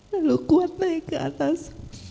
lalu kuat naik ke atas